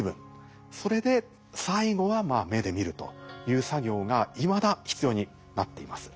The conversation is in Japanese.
それで最後は目で見るという作業がいまだ必要になっています。